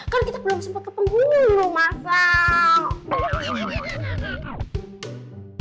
kan kita belum sempat kepengguna dulu mas al